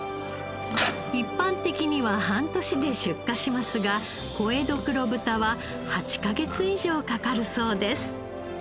一般的には半年で出荷しますが小江戸黒豚は８カ月以上かかるそうです。